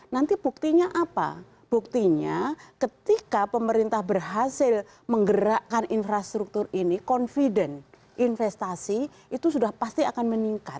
nanti buktinya apa buktinya ketika pemerintah berhasil menggerakkan infrastruktur ini confident investasi itu sudah pasti akan meningkat